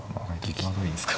際どいんですか。